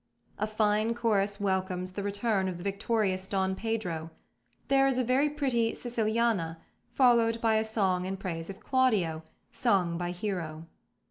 A fine chorus welcomes the return of the victorious Don Pedro. There is a very pretty "Siciliana," followed by a song in praise of Claudio, sung by Hero.